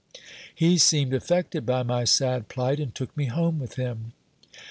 He seemed affected by my sad plight, and took me home with him.